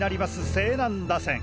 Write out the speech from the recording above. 勢南打線！